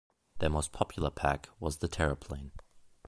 Their most popular pack was the Terraplane.